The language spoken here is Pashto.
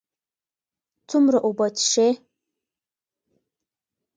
څومره اوبه څښئ؟